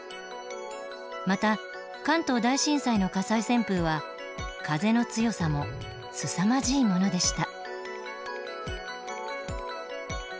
また関東大震災の火災旋風は風の強さもすさまじいものでした。